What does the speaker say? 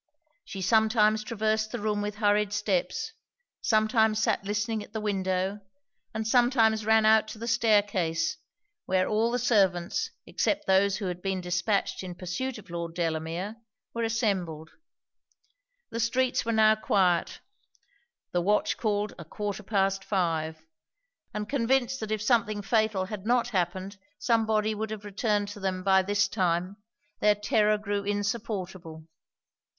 She sometimes traversed the room with hurried steps; sometimes sat listening at the window; and sometimes ran out to the stair case, where all the servants except those who had been dispatched in pursuit of Lord Delamere were assembled. The streets were now quiet; the watch called a quarter past five; and convinced that if something fatal had not happened some body would have returned to them by this time, their terror grew insupportable.